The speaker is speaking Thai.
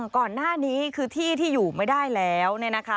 ก่อนหน้านี้คือที่ที่อยู่ไม่ได้แล้วเนี่ยนะคะ